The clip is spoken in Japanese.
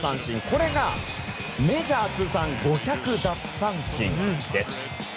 これが、メジャー通算５００奪三振です。